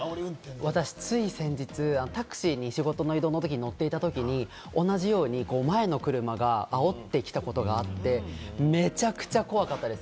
私つい先日、タクシーに仕事の移動の時に乗っていた時に、同じように前の車があおってきたことがあって、めちゃくちゃ怖かったです。